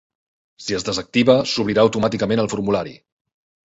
Si es desactiva, s'obrirà automàticament el formulari.